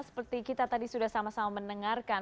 seperti kita tadi sudah sama sama mendengarkan